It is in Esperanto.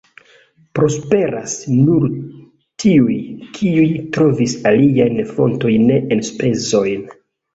Prosperas nur tiuj, kiuj trovis aliajn fontojn de enspezoj.